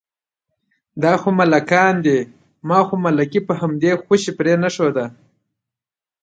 دا خو ملکان دي، ما خو ملکي په همدې خوشې پرېنښوده.